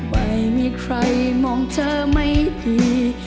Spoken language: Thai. ไม่มีใครมองเธอไม่ดี